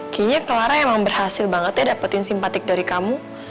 kayaknya clara emang berhasil banget ya dapetin simpatik dari kamu